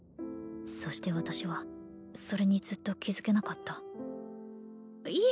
そして私はそれにずっと気付けなかったいえ